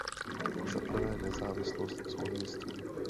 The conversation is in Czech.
Za prvé nezávislost soudnictví.